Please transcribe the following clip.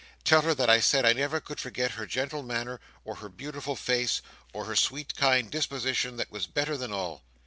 Tell her that I said I never could forget her gentle manner, or her beautiful face, or her sweet kind disposition that was better than all.